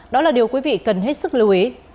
đó là điều quý vị cần hết sức lưu ý